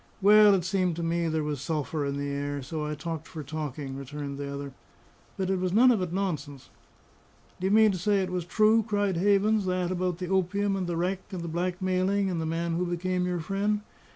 "Well, it seemed to me there was sulphur in the air, so I talked for talking," returned the other. "But it was none of it nonsense." "Do you mean to say it was true?" cried Havens, "that about the opium and the wreck, and the blackmailing and the man who became your friend?"